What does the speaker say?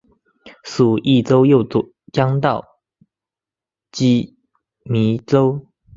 属邕州右江道羁縻州。